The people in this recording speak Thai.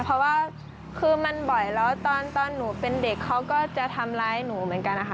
เพราะว่าคือมันบ่อยแล้วตอนหนูเป็นเด็กเขาก็จะทำร้ายหนูเหมือนกันนะคะ